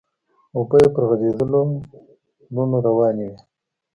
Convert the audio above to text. اوبه يې پر غزيدلو ورنو روانې وې.